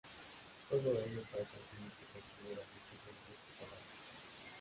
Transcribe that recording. Todo ello para conseguir que se construyera dicho centro hospitalario.